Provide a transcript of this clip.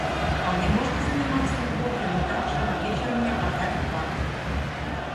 А мне можно заниматься любовью, но так, чтобы вечером не опоздать к партии.